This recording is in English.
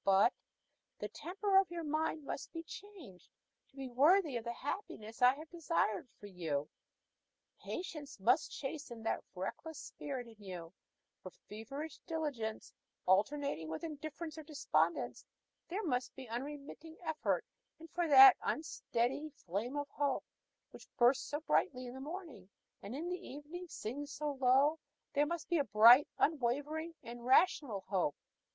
But the temper of your mind must be changed to be worthy of the happiness I have designed for you. Patience must chasten that reckless spirit in you; for feverish diligence, alternating with indifference or despondence, there must be unremitting effort; and for that unsteady flame of hope, which burns so brightly in the morning and in the evening sings so low, there must be a bright, unwavering, and rational hope.